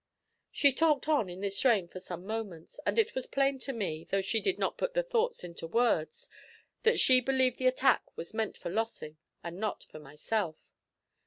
She talked on in this strain for some moments, and it was plain to me, though she did not put the thought into words, that she believed the attack was meant for Lossing, and not for myself.